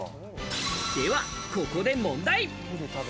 ではここで問題。